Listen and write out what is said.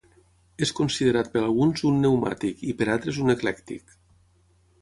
És considerat per alguns un pneumàtic i per altres un eclèctic.